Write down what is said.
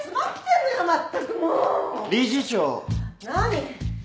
何？